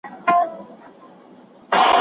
د خلګو ځاني آندونه سياست بدلوي.